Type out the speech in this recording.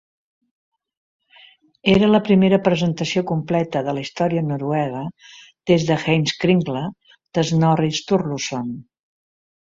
Era la primera presentació completa de la història noruega des de Heimskringla, de Snorri Sturluson.